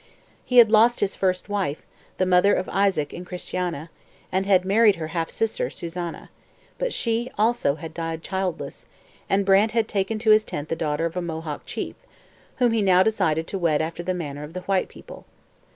He had lost his first wife, the mother of Isaac and Christiana, and had married her half sister, Susanna; but she also had died childless, and Brant had taken to his tent the daughter of a Mohawk chief, whom he now decided to wed after the manner of the white people.